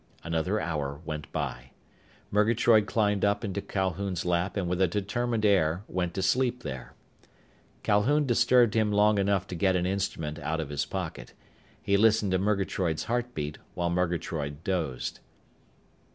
Another hour went by. Murgatroyd climbed up into Calhoun's lap and with a determined air went to sleep there. Calhoun disturbed him long enough to get an instrument out of his pocket. He listened to Murgatroyd's heartbeat, while Murgatroyd dozed.